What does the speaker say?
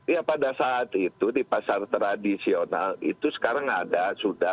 ya pada saat itu di pasar tradisional itu sekarang ada